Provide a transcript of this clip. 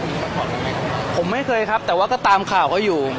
คุยกับผู้ชายเหมือนไงครับผมไม่เคยครับแต่ว่าก็ตามข่าวก็อยู่